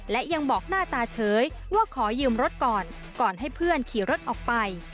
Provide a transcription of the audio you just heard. และยังบอกหน้าตาเฉยว่าขอยืมรถก่อนก่อนให้เพื่อนขี่รถออกไป